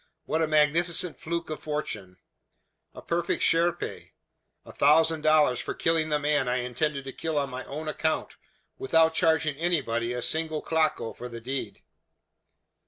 "What a magnificent fluke of fortune! A perfect chiripe. A thousand dollars for killing the man I intended to kill on my own account, without charging anybody a single claco for the deed!